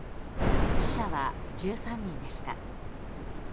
死者は１３人でした。